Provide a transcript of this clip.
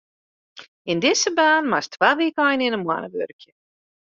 Yn dizze baan moatst twa wykeinen yn 'e moanne wurkje.